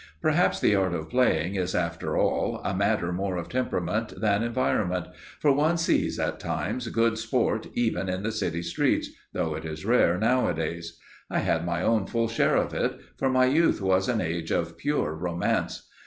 Perhaps the art of playing is, after all, a matter more of temperament than environment, for one sees, at times, good sport even in the city streets, though it is rare nowadays. I had my own full share of it, for my youth was an age of pure romance.